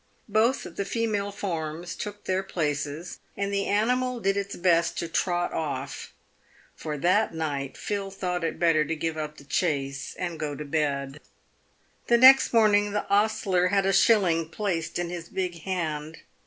Both the female forms took their places, and the animal did its best to trot off. For that night Phil thought it better to give up the chase and go to bed. The next morning the ostler had a shilling placed in his big hand.